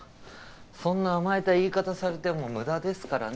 そんな甘えた言い方されても無駄ですからね